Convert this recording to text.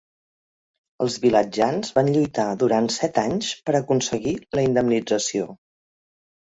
Els vilatjans van lluitar durant set anys per aconseguir la indemnització.